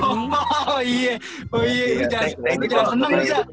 lu jangan seneng nih zha